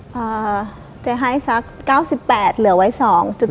อ่าจะให้สัก๙๘เหลือไว้๒จุด